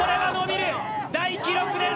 大記録です！